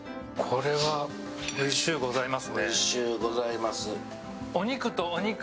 おいしゅうございます。